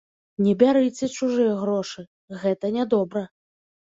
Не бярыце чужыя грошы, гэта нядобра.